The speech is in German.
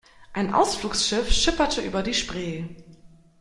Ein Ausflugsschiff schipperte über die Spree.